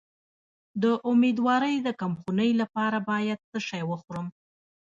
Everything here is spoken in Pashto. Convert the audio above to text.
د امیدوارۍ د کمخونی لپاره باید څه شی وخورم؟